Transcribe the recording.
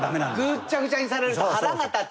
ぐっちゃぐちゃにされると腹が立つ。